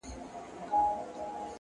د حوصله مندي ځواک اوږدې لارې لنډوي’